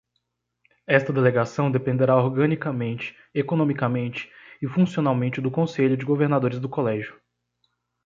Esta delegação dependerá organicamente, economicamente e funcionalmente do Conselho de Governadores do Colégio.